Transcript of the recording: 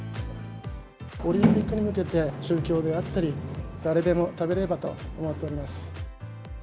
オリンピックに向けて、宗教であったり、誰でも食べられればと思っております。